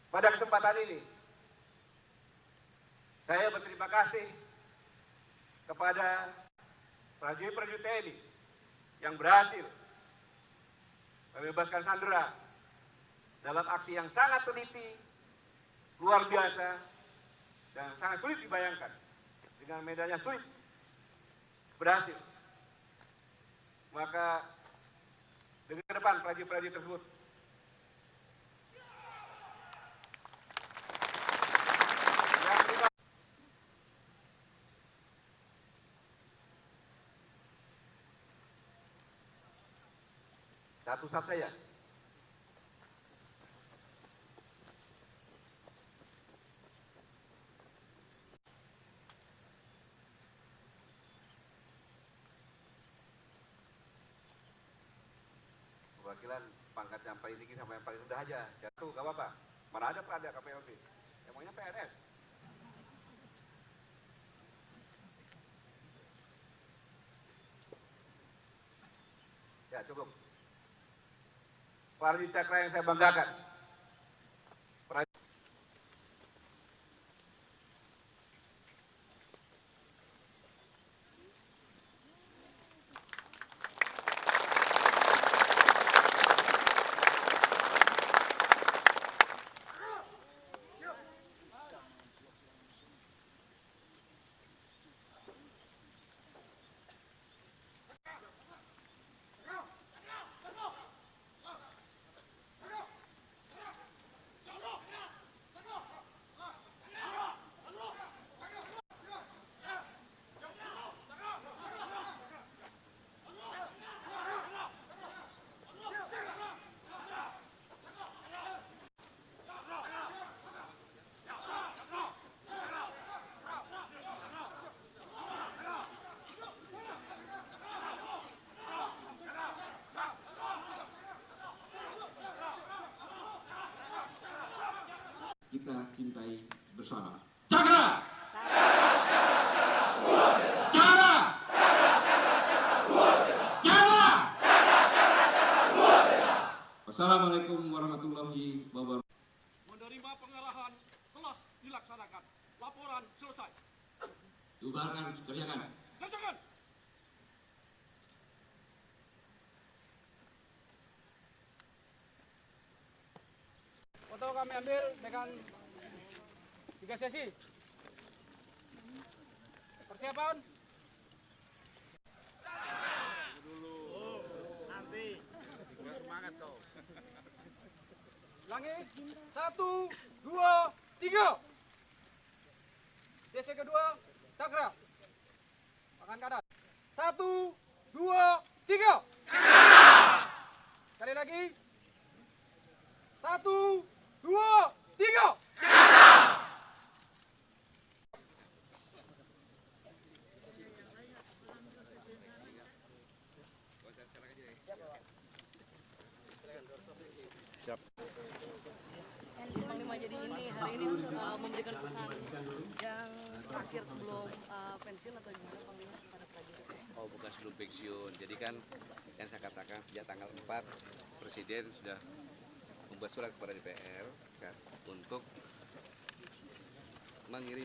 pada kesempatan ini saya berterima kasih kepada prajurit prajurit ini yang berhasil melepaskan sandera dalam aksi yang sangat peniti